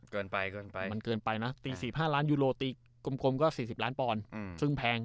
เกินไปเกินไปมันเกินไปนะตี๔๕ล้านยูโรตีกลมก็๔๐ล้านปอนด์ซึ่งแพง